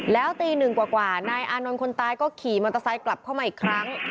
แล้วตีหนึ่งกว่านายอานนท์คนตายก็ขี่มอเตอร์ไซค์กลับเข้ามาอีกครั้ง